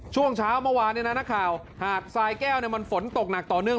ช่วงเช้าเมื่อวานเนี่ยนะนักข่าวหาดทรายแก้วมันฝนตกหนักต่อเนื่อง